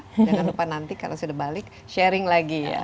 jangan lupa nanti kalau sudah balik sharing lagi ya